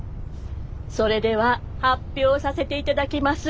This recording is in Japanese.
それでは発表させていただきます。